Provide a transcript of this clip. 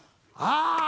ああ！